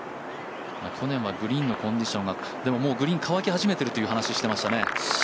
去年はグリーンのコンディションがでも、グリーンが乾き始めてるという話をしてましたね。